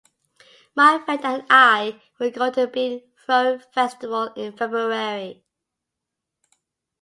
My friend and I will go to the bean-throwing festival in February.